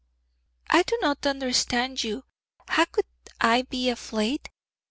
'I do not understand you. How could I be aflaid?